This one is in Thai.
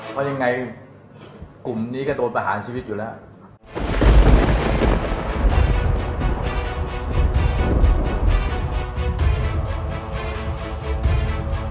เพราะยังไงกลุ่มนี้ก็โดนประหารชีวิตอยู่แล้ว